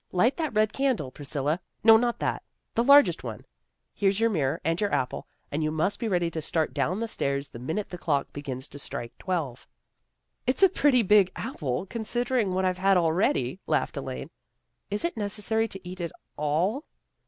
Light that red candle, Priscilla. No, not that. The largest one. Here's your mirror and your apple, and you must be ready to start down the stab's the minute the clock begins to strike twelve." " It's a pretty big apple, considering what I've had already," laughed Elaine. " Is it necessary to eat it all?